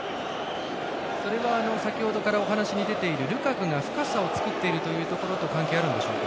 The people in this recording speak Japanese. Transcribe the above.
それは先ほどからお話に出ているルカクが深さを作っているところを関係あるんでしょうか？